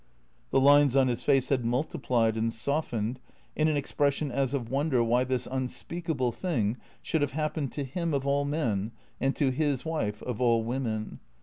The lines on his face had multiplied and softened in an expression as of wonder why this unspeakable thing should have happened to him of all men and to his wife of all women.